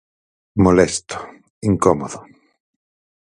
Molesto, incómodo.